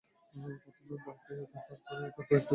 প্রথমে তাঁর বাঁ পায়ে পরে ডান পায়ে একটি করে গুলি করে পুলিশ।